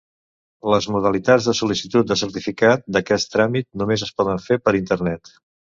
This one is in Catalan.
Les modalitats de sol·licitud de certificat d'aquest tràmit només es poden fer per internet.